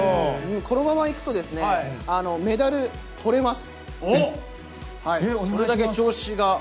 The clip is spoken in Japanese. このままいくと、メダルとれます。